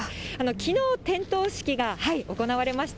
きのう点灯式が行われました。